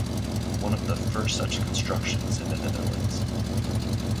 One of the first such constructions in the Netherlands.